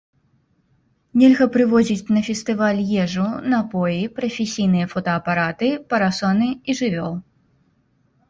Нельга прывозіць на фестываль ежу, напоі, прафесійныя фотаапараты, парасоны і жывёл.